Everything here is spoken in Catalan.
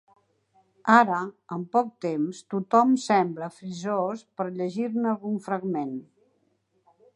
Ara, en poc temps, tothom sembla frisós per llegir-ne algun fragment.